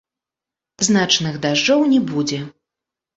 Значных дажджоў не будзе.